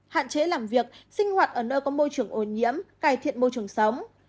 hạn chế làm việc sinh hoạt ở nơi có môi trường ô nhiễm cải thiện môi trường sống